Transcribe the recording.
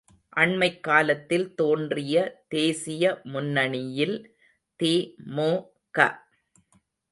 அண்மைக்காலத்தில் தோன்றிய தேசிய முன்னணியில் தி.மு.க.